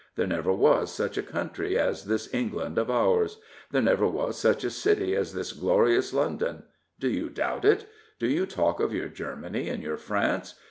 There never was such a country as this England of ours. There never was such a city as this glorious London. Do you doubt it ? Do you talk of your Germany and your France?